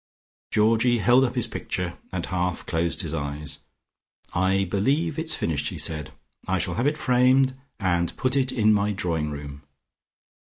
Georgie held up his picture and half closed his eyes. "I believe it's finished," he said. "I shall have it framed, and put it in my drawing room."